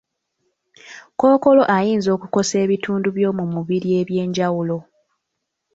Kkookolo ayinza okukosa ebitundu by'omubiri eby'enjawulo.